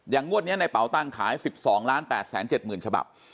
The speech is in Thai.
อย่างงวดเนี่ยในเป่าตังค์ขาย๑๒๘๗๐๐๐๐ฉบับ